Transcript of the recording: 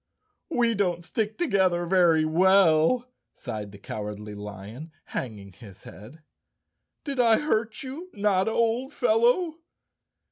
"We don't stick together very well," sighed the Cowardly Lion, hanging his head. "Did I hurt you, Notta, old fellow?"